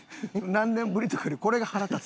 何年ぶりとかよりこれが腹立つ。